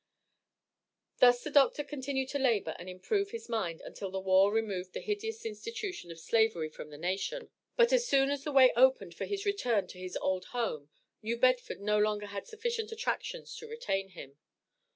Thus the doctor continued to labor and improve his mind until the war removed the hideous institution of Slavery from the nation; but as soon as the way opened for his return to his old home, New Bedford no longer had sufficient attractions to retain him.